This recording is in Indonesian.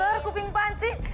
rasar kuping panci